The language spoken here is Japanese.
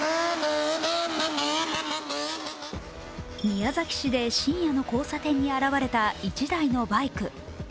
宮崎市で深夜の交差点に現れたバイク。